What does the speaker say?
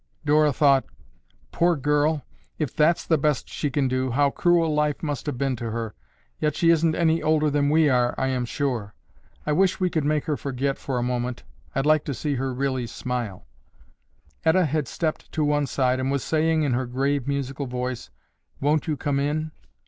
Dora thought, "Poor girl, if that's the best she can do, how cruel life must have been to her, yet she isn't any older than we are, I am sure. I wish we could make her forget for a moment. I'd like to see her really smile." Etta had stepped to one side and was saying in her grave, musical voice, "Won't you come in?"